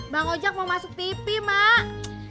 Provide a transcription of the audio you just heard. bang ojek mau masuk tv mak